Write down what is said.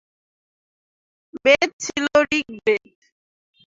বেদ ছিল ঋগ্বেদ।